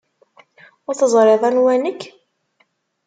Ur teẓriḍ anwa nekk?